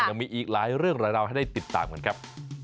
จะมีอีกหลายเรื่องรายละเอาให้ได้ติดตามกันครับ